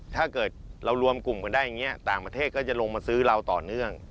ถ้าเกิดเรารวมกลุ่มกันได้อย่างนี้ต่างประเทศก็จะลงมาซื้อเราต่อเนื่อง